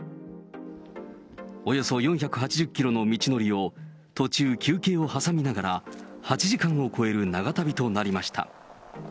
およそ４８０キロの道のりを、途中、休憩を挟みながら８時間を超える長旅となりました。